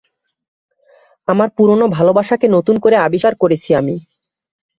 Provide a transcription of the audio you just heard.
আমার পুরোনো ভালাবাসাকে নতুন করে আবিষ্কার করেছি আমি।